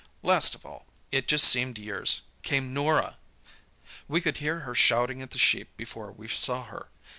Last of all—it just seemed years—came Norah! "We could hear her shouting at the sheep before we saw her.